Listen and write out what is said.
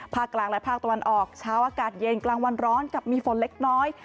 กลางและภาคตะวันออกเช้าอากาศเย็นกลางวันร้อนกับมีฝนเล็กน้อย